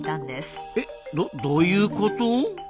えっどどういうこと？